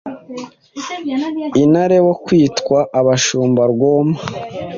intare bo bakitwa abashumba rwoma.